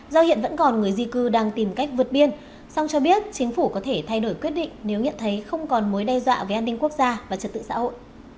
do hiện vẫn còn người di cư đang tìm cách vượt biên song cho biết chính phủ có thể thay đổi quyết định nếu nhận thấy không còn mối đe dọa về an ninh quốc gia và trật tự xã hội